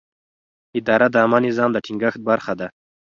اداره د عامه نظم د ټینګښت برخه ده.